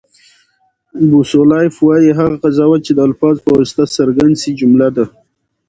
بوسلایف وایي، هغه قضاوت، چي د الفاظو په واسطه څرګند سي؛ جمله ده.